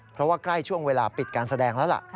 เพราะว่าใกล้ช่วงเวลาปิดการแสดงแล้วล่ะ